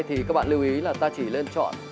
thì các bạn lưu ý là ta chỉ lên chọn